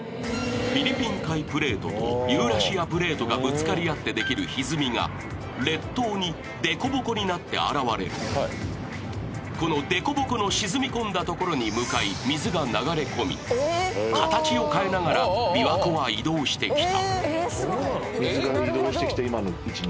フィリピン海プレートとユーラシア大陸プレートがぶつかり合ってできるひずみが列島にでこぼこになって現れこの凸凹の沈み込んだところに向かって水が向かい形を変えながらびわ湖は移動してきた。